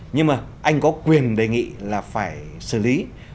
nhưng mà anh có quyền đề nghị là phải xử lý